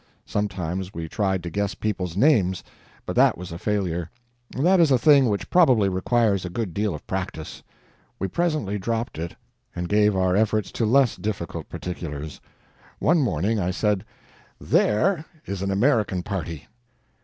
Sometimes we tried to guess people's names; but that was a failure; that is a thing which probably requires a good deal of practice. We presently dropped it and gave our efforts to less difficult particulars. One morning I said: "There is an American party."